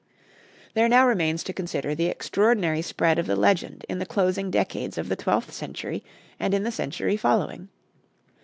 There now remains to consider the extraordinary spread of the legend in the closing decades of the twelfth century and in the century following.